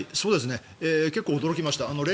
結構驚きました。